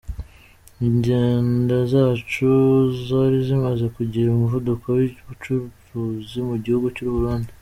"Ingenda zacu zari zimaze kugira umuvuduko w' ubucuruzi mu gihugu cy'u Burundi.